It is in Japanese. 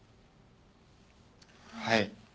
はい。